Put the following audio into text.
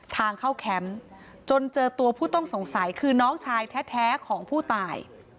ทางเข้าแคมป์จนเจอตัวผู้ต้องสงสัยคือน้องชายแท้ของผู้ตาย